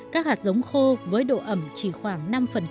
các hạt giống khô với độ ẩm chỉ khoảng năm